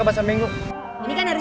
bakal gue silla banget di